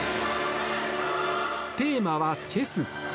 テーマは、チェス。